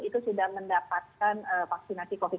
itu sudah mendapatkan vaksinasi covid sembilan belas